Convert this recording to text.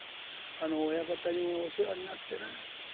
あの親方にもお世話になってな。